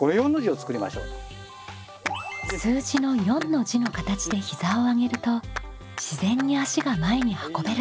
数字の４の字の形で膝を上げると自然に足が前に運べるそう。